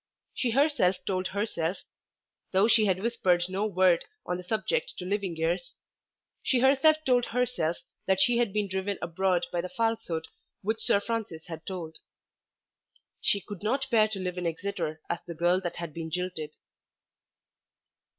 She herself told herself, though she had whispered no word on the subject to living ears, she herself told herself that she had been driven abroad by the falsehood which Sir Francis had told. She could not bear to live in Exeter as the girl that had been jilted.